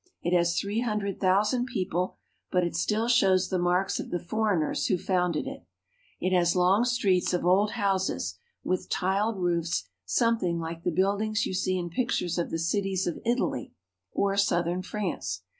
It has three hun dred thousand people, but it still shows the marks of the foreigners who founded it. It has long streets of old houses with tiled roofs, something like the buildings you see in pictures of the cities of Italy or south ern France.